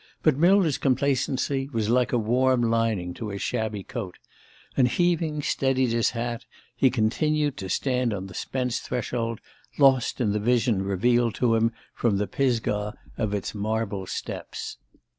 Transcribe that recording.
But Millner's complacency was like a warm lining to his shabby coat, and heaving steadied his hat he continued to stand on the Spence threshold, lost in the vision revealed to him from the Pisgah of its marble steps.